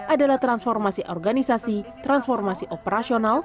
adalah transformasi organisasi transformasi operasional